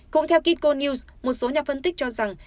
cũng theo kikon news một số nhà phân tích cho rằng